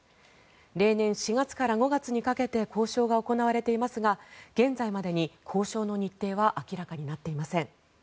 例年４月から５月にかけて交渉が行われていますが現在までに交渉の日程は明らかになっていません。